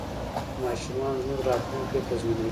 ماشومان زموږ راتلونکی تضمینوي.